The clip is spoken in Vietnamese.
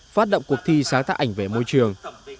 phát động cuộc thi sáng tác ảnh về môi trường